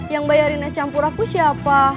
yang bayarin es campur aku siapa